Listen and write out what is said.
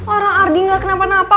orang ardi gak kenapa napa